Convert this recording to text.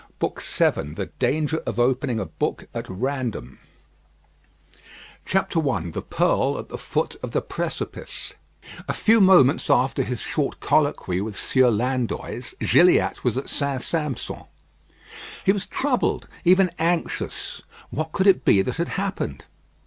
BOOK VII THE DANGER OF OPENING A BOOK AT RANDOM I THE PEARL AT THE FOOT OF THE PRECIPICE A few moments after his short colloquy with Sieur Landoys, Gilliatt was at St. Sampson. He was troubled, even anxious. What could it be that had happened.